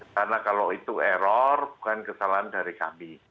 karena kalau itu error bukan kesalahan dari kami